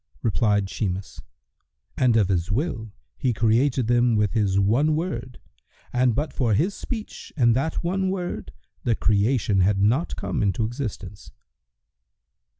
Replied Shimas, "And of His will, He created them with His one Word and but for His speech and that one Word, the creation had not come into existence."